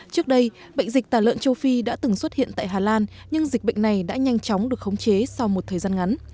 trước đây bệnh dịch tả lợn châu phi đã từng xuất hiện tại hà lan nhưng dịch bệnh này đã nhanh chóng được khống chế sau một thời gian ngắn